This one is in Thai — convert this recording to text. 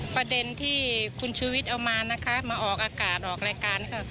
ประเด็นที่คุณชูวิทย์เอามานะคะมาออกอากาศออกรายการค่ะ